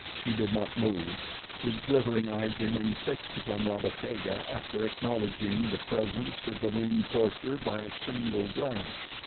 He did not move. His glittering eyes remained fixed upon Rabba Kega after acknowledging the presence of the winged torture by a single glance.